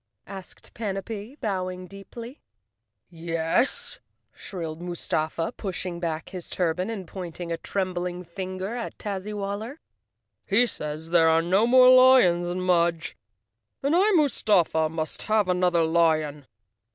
asked Panapee bow¬ ing deeply. "Yes," shrilled Mustafa, pushing back his turban and pointing a trembling finger at Tazzywaller. "He says there are no more lions in Mudge and I, Mustafa, must have another lion."